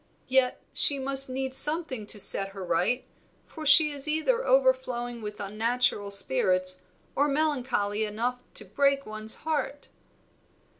Yet she must need something to set her right, for she is either overflowing with unnatural spirits or melancholy enough to break one's heart."